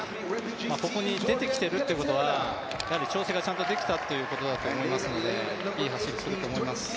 ここに出てきてるということは調整がちゃんとできたということですのでいい走りをすると思います。